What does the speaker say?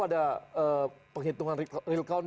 ada penghitungan real count